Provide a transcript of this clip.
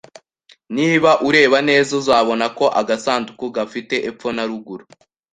Niba ureba neza, uzabona ko agasanduku gafite epfo na ruguru